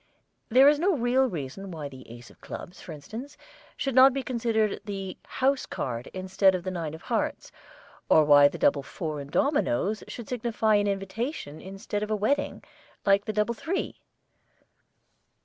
There is no real reason why the ace of clubs, for instance, should not be considered the 'House Card' instead of the nine of hearts, or why the double four in dominoes should signify an invitation instead of a wedding, like the double three.